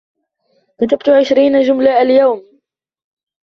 كتبت عشرين جملة اليوم.